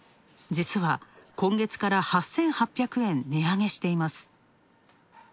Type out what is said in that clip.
実は今月から８８００円値上げしています。